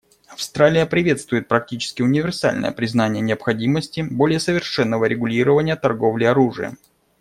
Австралия приветствует практически универсальное признание необходимости более совершенного регулирования торговли оружием.